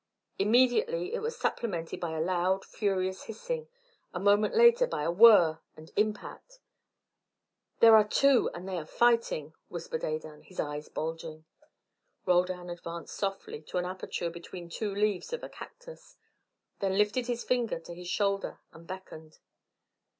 Immediately it was supplemented by a loud furious hissing; a moment later by a whirr and impact. "There are two, and they are fighting," whispered Adan, his eyes bulging. Roldan advanced softly to an aperture between two leaves of a cactus, then lifted his finger to his shoulder and beckoned.